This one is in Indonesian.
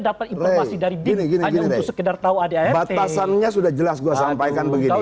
dapat lebih dari begini gini gini sekedar tahu ada atasannya sudah jelas gua sampaikan begini